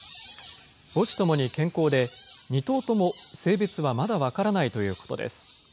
母子ともに健康で、２頭とも性別はまだ分からないということです。